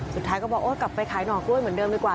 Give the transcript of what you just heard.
สุดท้ายก็บอกโอ๊ยกลับไปขายหน่อกล้วยเหมือนเดิมดีกว่า